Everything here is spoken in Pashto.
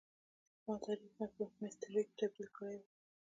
ما تاریخ مې په میسترې کي تبد یل کړی وو.